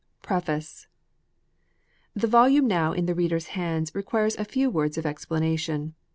PREFACE. THE volume now in the reader s hands requires a few words of explanation.